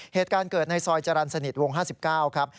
เหตุการณ์เกิดในซอยจรรย์สนิทวง๕๙ครับ